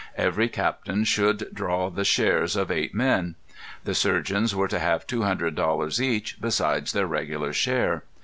Every captain should draw the shares of eight men. The surgeons were to have two hundred dollars each, besides their regular share.